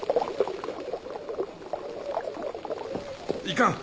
いかん！